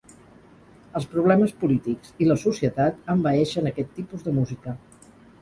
Els problemes polítics i la societat envaeixen aquest tipus de música.